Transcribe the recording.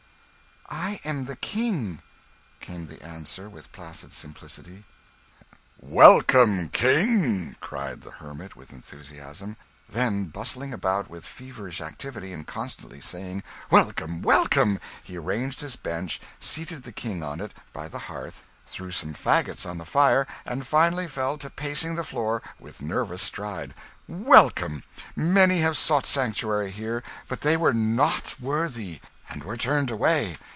"I am the King," came the answer, with placid simplicity. "Welcome, King!" cried the hermit, with enthusiasm. Then, bustling about with feverish activity, and constantly saying, "Welcome, welcome," he arranged his bench, seated the King on it, by the hearth, threw some faggots on the fire, and finally fell to pacing the floor with a nervous stride. "Welcome! Many have sought sanctuary here, but they were not worthy, and were turned away.